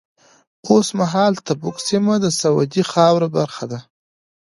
اوس مهال تبوک سیمه د سعودي خاورې برخه ده.